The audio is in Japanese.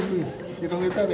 広げたれ！